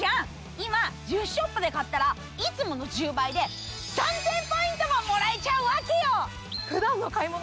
今１０ショップで買ったらいつもの１０倍で３，０００ポイントももらえちゃうわけよ！